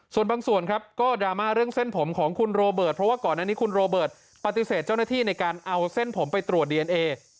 ส่วนบางส่วนครับก็ดราม่าเรื่องเส้นผมของคุณโรเบิร์ตเพราะว่าก่อนอันนี้คุณโรเบิร์ตปฏิเสธเจ้าหน้าที่ในการเอาเส้นผมไปตรวจดีเอนเอ